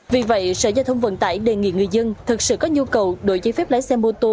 vì vậy sở giao thông vận tải đề nghị người dân thực sự có nhu cầu đổi giấy phép lái xe mô tô